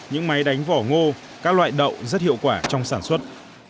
những máy đánh vỏ ngô các loại đậu rất hiệu quả trong sản xuất